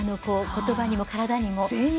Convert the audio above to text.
言葉にも、体にも。